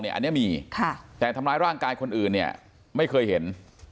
อันนี้มีแต่ทำร้ายร่างกายคนอื่นเนี่ยไม่เคยเห็น